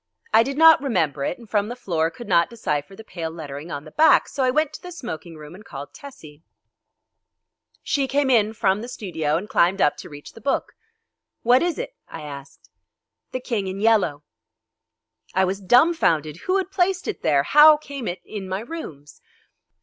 I did not remember it, and from the floor could not decipher the pale lettering on the back, so I went to the smoking room and called Tessie. She came in from the studio and climbed up to reach the book. "What is it?" I asked. "The King in Yellow." I was dumfounded. Who had placed it there? How came it in my rooms?